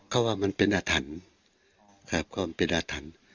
เขาว่ามันเป็นอธันต์ครับเขาว่ามันเป็นอธันต์